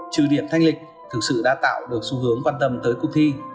trừ điểm thanh lịch thực sự đã tạo được xu hướng quan tâm tới cuộc thi